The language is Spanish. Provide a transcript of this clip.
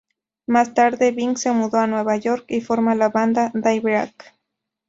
Más tarde, Ving se mudó a Nueva York y forma la banda Daybreak.